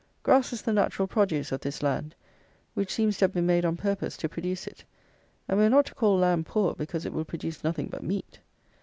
Grass is the natural produce of this land, which seems to have been made on purpose to produce it; and we are not to call land poor because it will produce nothing but meat.